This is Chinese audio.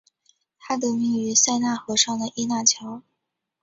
它得名于塞纳河上的耶拿桥。